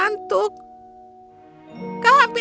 kau hampir tidak melukis sama sekali sepanjang minggu ini